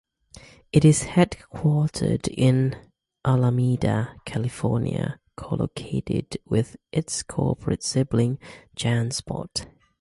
It is headquartered in Alameda, California, co-located with its corporate sibling, JanSport.